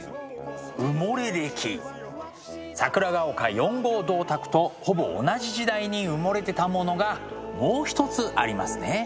埋もれ歴！桜ヶ丘４号銅鐸とほぼ同じ時代に埋もれてたものがもう一つありますね。